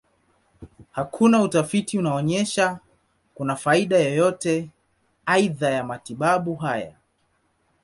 Hakuna utafiti unaonyesha kuna faida yoyote aidha ya matibabu haya.